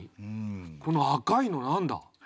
この赤いの何だ？